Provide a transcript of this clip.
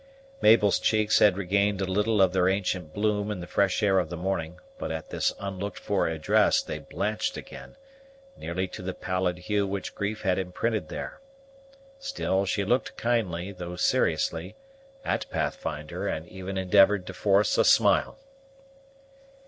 Mabel's cheeks had regained a little of their ancient bloom in the fresh air of the morning; but at this unlooked for address they blanched again, nearly to the pallid hue which grief had imprinted there. Still, she looked kindly, though seriously, at Pathfinder and even endeavored to force a smile.